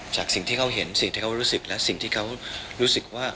สิ่งที่เขาเห็นสิ่งที่เขารู้สึกและสิ่งที่เขารู้สึกว่า